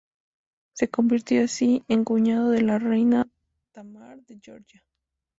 Se convirtió así en cuñado de la reina Tamar de Georgia.